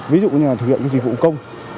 ví dụ như là thực hiện cái dịch vụ công